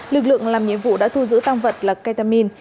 lực lượng làm nhiệm vụ đã thu giữ tăng vật là ketamin